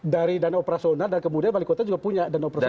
dari dana operasional dan kemudian wali kota juga punya dana operasional